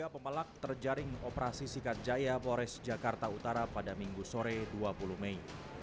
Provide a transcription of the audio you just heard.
tiga pemalak terjaring operasi sikat jaya bores jakarta utara pada minggu sore dua puluh mei